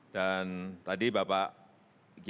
dan juga dari perwakilan agama